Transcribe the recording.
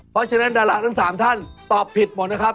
เพราะฉะนั้นดาราทั้ง๓ท่านตอบผิดหมดนะครับ